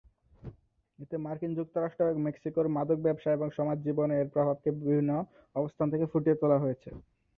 এতে মার্কিন যুক্তরাষ্ট্র এবং মেক্সিকোর মাদক ব্যবসা এবং সমাজ জীবনে এর প্রভাবকে বিভিন্ন অবস্থান থেকে ফুটিয়ে তোলা হয়েছে।